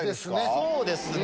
そうですね。